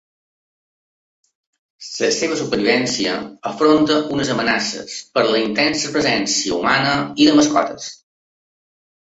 La seua supervivència afronta unes amenaces per la intensa presència humana i de mascotes.